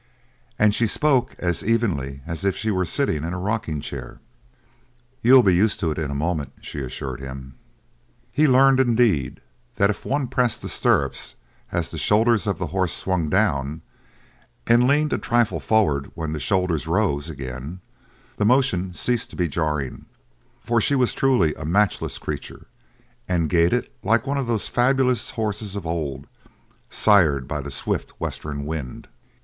And she spoke as evenly as if she were sitting in a rocking chair. "You'll be used to it in a moment," she assured him. He learned, indeed, that if one pressed the stirrups as the shoulders of the horse swung down and leaned a trifle forward when the shoulders rose again, the motion ceased to be jarring; for she was truly a matchless creature and gaited like one of those fabulous horses of old, sired by the swift western wind.